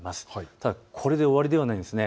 ただこれで終わりではないんです。